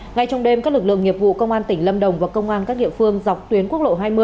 ngay trong đêm các lực lượng nghiệp vụ công an tỉnh lâm đồng và công an các địa phương dọc tuyến quốc lộ hai mươi